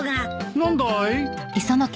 何だい？